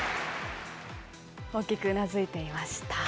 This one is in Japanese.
大きくうなずいていました。